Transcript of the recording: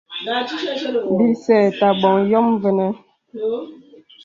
Bìsê tà bòŋ yòm vənə.